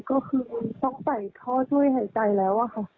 ก็คือต้องใส่ท่อช่วยหายใจแล้วอะค่ะ